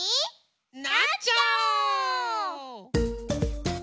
なっちゃおう！